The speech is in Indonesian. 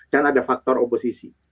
dan ada faktor oposisi